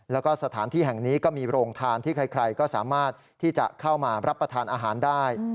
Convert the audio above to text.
แล้วก็สถานที่แห่งนี้ก็มีโรงทานที่ใครก็สามารถที่จะเข้ามารับประทานอาหารได้